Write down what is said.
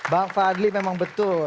bang fadli memang betul